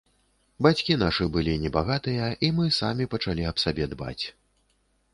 Бацькі нашы былі небагатыя, і мы самі пачалі аб сабе дбаць.